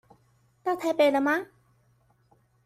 到台北了嗎？